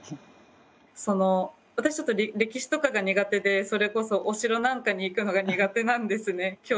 私歴史とかが苦手でそれこそお城なんかに行くのが苦手なんですね。